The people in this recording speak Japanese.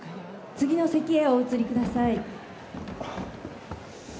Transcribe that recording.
次の席へお移りください